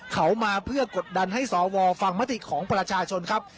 เขามาเพื่อกดดันให้สวฟังมติของประชาชนครับ